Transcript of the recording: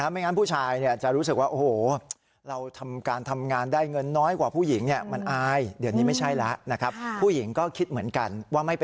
ไม่งั้นผู้ชายจะรู้สึกว่า